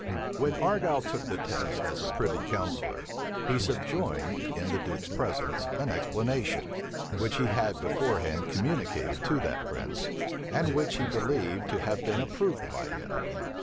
When Argyle took the test as a privy counsellor, he subjoined, in the duke's presence, an explanation, which he had beforehand communicated to that prince, and which he believed to have been approved by him.